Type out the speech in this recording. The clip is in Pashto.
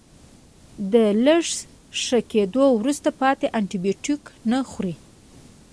له لږ ښه کیدو وروسته پاتې انټي بیوټیک نه خوري.